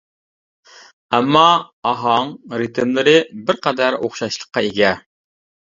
ئەمما ئاھاڭ، رىتىملىرى بىر قەدەر ئوخشاشلىققا ئىگە.